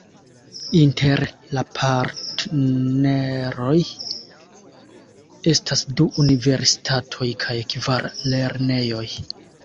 Inter la partneroj estas du universitatoj kaj kvar lernejoj.